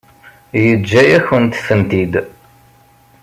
Yeǧǧa-yakent-tent-id.